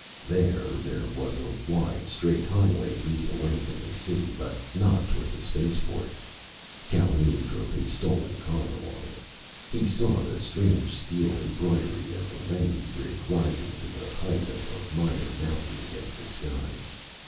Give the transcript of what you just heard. There there was a wide straight highway leading away from the city but not toward the spaceport. Calhoun drove his stolen car along it. He saw the strange steel embroidery of the landing grid rising to the height of a minor mountain against the sky.